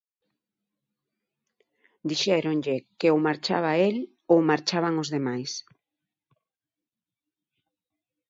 Dixéronlle que, ou marchaba el, ou marchaban os demais.